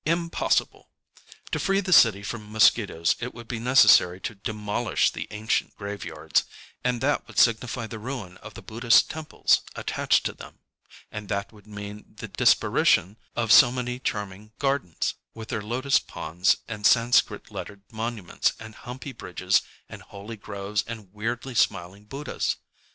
Impossible! To free the city from mosquitoes it would be necessary to demolish the ancient graveyards; ŌĆöand that would signify the ruin of the Buddhist temples attached to them; ŌĆöand that would mean the disparition of so many charming gardens, with their lotus ponds and Sanscrit lettered monuments and humpy bridges and holy groves and weirdly smiling Buddhas!